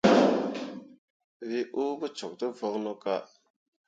We uu pǝ cok tǝ voŋno ka.